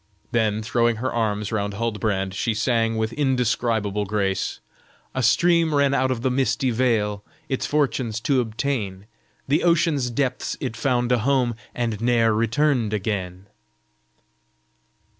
Then, throwing her arms round Huldbrand, she sang with indescribable grace: "A stream ran out of the misty vale Its fortunes to obtain, the ocean's depths it found a home And ne'er returned again."